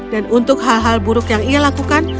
dan untuk hal hal buruk yang ia lakukan